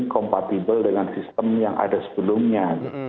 kompatibel dengan sistem yang ada sebelumnya